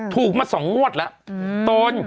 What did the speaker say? ถูกมา๒งวดแล้วตน